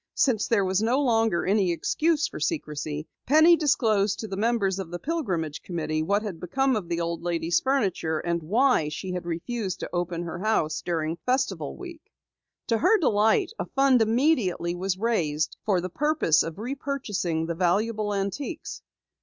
Since there no longer was any excuse for secrecy, Penny disclosed to members of the Pilgrimage Committee what had become of the old lady's furniture and why she had refused to open her house during Festival Week. To her delight, a fund immediately was raised for the purpose of re purchasing the valuable antiques.